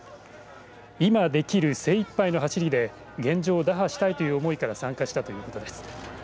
今できる精いっぱいの走りで現状を打破したいという思いから参加したということです。